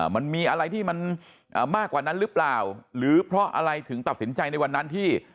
มันมีอะไรที่มันมากกว่านั้นหรือเปล่าหรือเพราะอะไรถึงตัดสินใจในวันนั้นที่